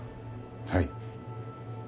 はい。